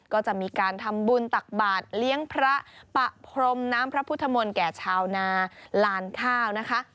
ก็จะมีการทำบุญตักบาทเลี้ยงพระปะพรมน้ำพระพุทธมนต์แก่ชาวนาลานข้าวนะคะ